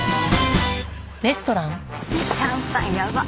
シャンパンやばっ！